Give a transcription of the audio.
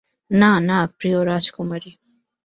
না, না, প্রিয়, রাজকুমারী।